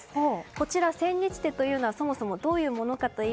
こちら、千日手というのはそもそもどういうものか。